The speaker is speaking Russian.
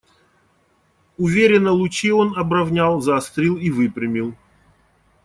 Уверенно лучи он обровнял, заострил и выпрямил.